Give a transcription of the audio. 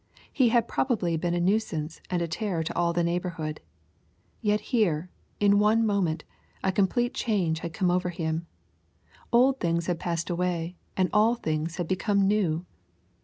He had probably been a nuisance and a terror to all the neighborhood. Yet here, in one moment, a complete change had come over him. Old things had passed away, and all things had become new.